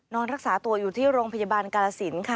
นอนรักษาตัวอยู่ที่โรงพยาบาลกาลสินค่ะ